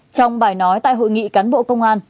trong bài nói tại hội nghị cán bộ công an